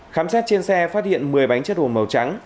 khám xét trên xe phát hiện một mươi bánh chất hồ màu trắng